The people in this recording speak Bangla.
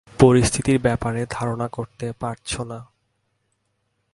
পরিস্থিতির ব্যাপারে ধারণা করতে পারছো?